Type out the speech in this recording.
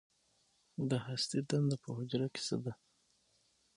د هستې دنده په حجره کې څه ده